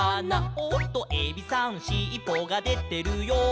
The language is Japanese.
「おっとエビさんしっぽがでてるよ」